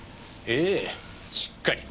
えぇしっかり。